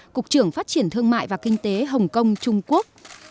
cục trưởng phát triển thương mại và kinh tế hồng kông trung quốc